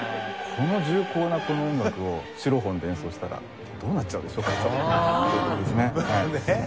この重厚なこの音楽をシロフォンで演奏したらどうなっちゃうでしょうか？という事ですね。